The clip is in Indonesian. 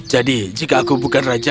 jika aku bukan raja